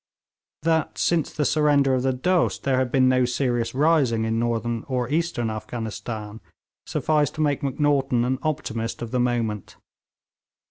That, since the surrender of the Dost, there had been no serious rising in Northern or Eastern Afghanistan, sufficed to make Macnaghten an optimist of the moment.